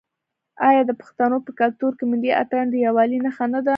آیا د پښتنو په کلتور کې ملي اتن د یووالي نښه نه ده؟